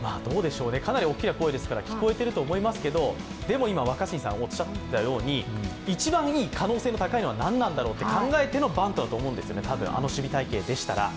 かなり大きな声ですから聞こえていると思いますけど、でも一番いい可能性の高いのは何だったんだろうと思ってのバントだと思うんですよね、あの守備隊形でしたら。